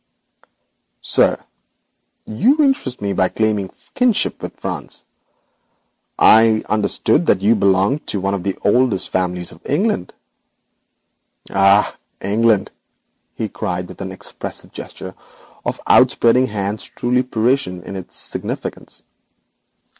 'Sir, you interest me by claiming kinship with France. I had understood that you belonged to one of the oldest families of England.' 'Ah, England!' he cried, with an expressive gesture of outspreading hands truly Parisian in its significance.